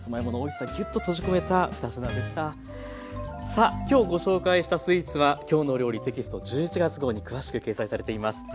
さあ今日ご紹介したスイーツは「きょうの料理」テキスト１１月号に詳しく掲載されています。